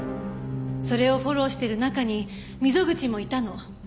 それをフォローしてる中に溝口もいたの。